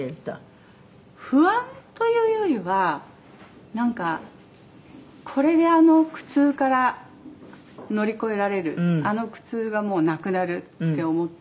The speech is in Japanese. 「不安というよりはなんかこれであの苦痛から乗り越えられるあの苦痛がもうなくなるって思って」